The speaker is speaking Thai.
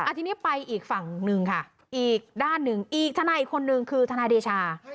ทีนี้ไปอีกฝั่งหนึ่งค่ะอีกด้านหนึ่งอีกทนายอีกคนนึงคือทนายเดชา